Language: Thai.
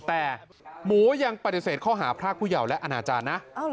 แต่หมูยังปฏิเสธข้อหาพรากผู้เยาว์และอนาจารย์นะ